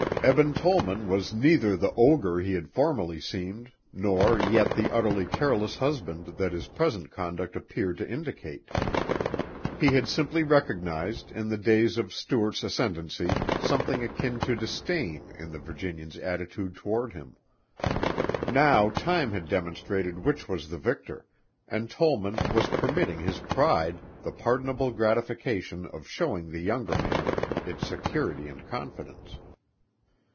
Eben Tollman was neither the ogre he had formerly seemed nor yet the utterly careless husband that his present conduct appeared to indicate. He had simply recognized in the days of Stuart's ascendancy something akin to disdain in the Virginian's attitude toward him. Now time had demonstrated which was the victor, and Tollman was permitting his pride the pardonable gratification of showing the younger man its security and confidence.